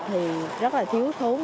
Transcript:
thì rất là thiếu thốn